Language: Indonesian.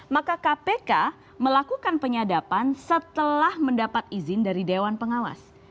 maka kpk melakukan penyadapan setelah mendapat izin dari dewan pengawas